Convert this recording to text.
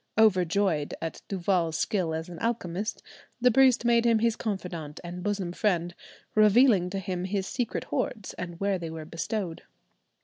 Overjoyed at Duval's skill as an alchemist, the priest made him his confidant and bosom friend, revealing to him his secret hoards, and where they were bestowed.